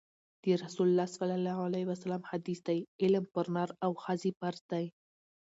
د رسول الله ﷺ حدیث دی: علم پر نر او ښځي فرض دی